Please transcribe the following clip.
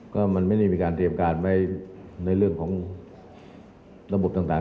ก็มันไม่ได้มีการเตรียมการไว้ในเรื่องของระบบต่าง